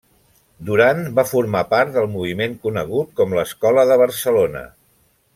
Duran va formar part del moviment conegut com l’Escola de Barcelona.